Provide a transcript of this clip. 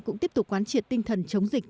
cũng tiếp tục quán triệt tinh thần chống dịch